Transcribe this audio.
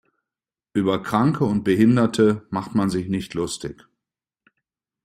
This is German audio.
Über Kranke und Behinderte macht man sich nicht lustig.